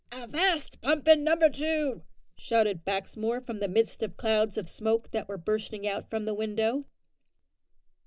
"Avast pumpin', number two!" shouted Baxmore from the midst of clouds of smoke that were bursting out from the window.